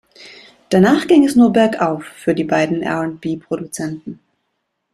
Danach ging es nur bergauf für die beiden R&B-Produzenten.